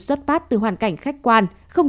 xuất phát từ hoàn cảnh khách quan không